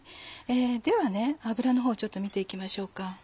では油のほうちょっと見て行きましょうか。